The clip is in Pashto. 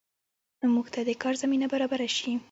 موږ ته د کار زمینه برابره شي